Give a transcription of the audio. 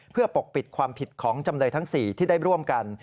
เพื่อปกปิดความผิดของจำเลยทั้ง๔ที่ได้ร่วมกัน